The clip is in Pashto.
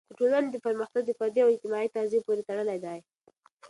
د ټولنې پرمختګ د فردي او اجتماعي تغذیې پورې تړلی دی.